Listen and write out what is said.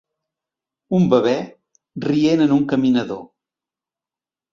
Un bebè rient en un caminador.